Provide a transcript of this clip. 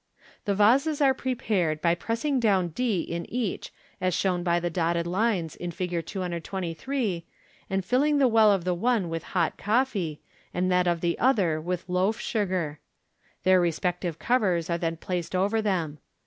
The vases are prepared by pressing down d in each as shown by the dotted lines in Fig. 223, and filling the well of the one with hot coffee, and that of the other with loaf sugar. Their respective covers are then placed over them.